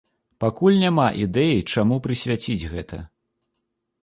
Пакуль няма ідэі, чаму прысвяціць гэта.